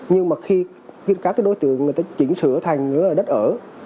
nhưng mà khi các đối tượng người ta chỉnh sửa thành đất ở